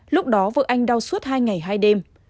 lúc đó vợ anh đau suốt hai ngày hai đêm